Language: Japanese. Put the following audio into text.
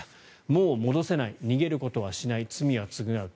もう戻せない逃げることはしない罪は償う。